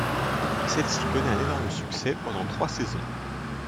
Celle-ci connaît un énorme succès pendant trois saisons.